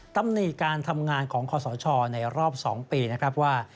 ตำหนิการทำงานของคอสชในรอบ๒ปีนะครับว่า